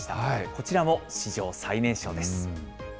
こちらも史上最年少です。